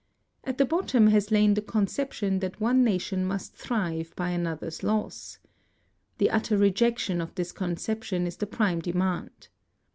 At the bottom has lain the conception that one na tion must thrive by another's loss. The utter rejection of this conception is the prime demand.